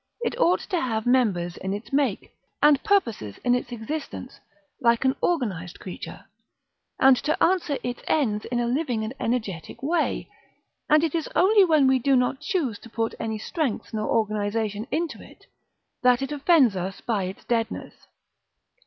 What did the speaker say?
It ought to have members in its make, and purposes in its existence, like an organized creature, and to answer its ends in a living and energetic way; and it is only when we do not choose to put any strength nor organization into it, that it offends us by its deadness.